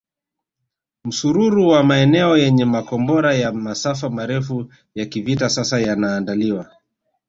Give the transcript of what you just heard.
Msururu wa maeneo yenye makombora ya masafa marefu ya kivita sasa yanaandaliwa